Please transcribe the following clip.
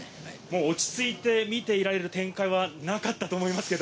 落ち着いて見ていられる展開はなかったと思いますけど。